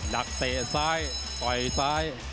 ดักเตะซ้ายต่อยซ้าย